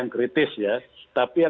dan dijelasin untuk kementerian